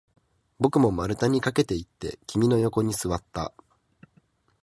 僕も丸太に駆けていって、君の横に座った